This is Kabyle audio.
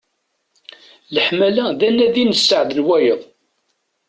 Leḥmala, d anadi n sseɛd n wayeḍ.